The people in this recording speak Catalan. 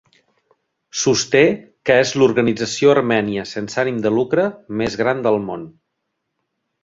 Sosté que és l'organització armènia sense ànim de lucre més gran del món.